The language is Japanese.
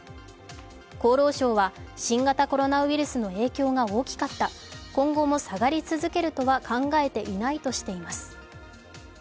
厚労省は新型コロナウイルスの影響が大きかった、今後も下がり続けるとは考えていないとしています。